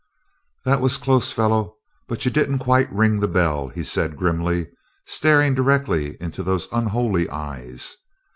"That was close, fellow, but you didn't quite ring the bell," he said grimly, staring directly into those unholy eyes.